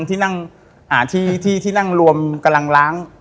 ที่นั่งรวมกำลังล้าง